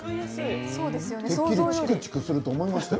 てっきりチクチクすると思いましたよ。